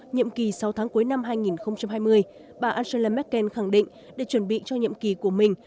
nhiệm kỳ sáu tháng cuối năm hai nghìn hai mươi bà angela merkel khẳng định để chuẩn bị cho nhiệm kỳ của mình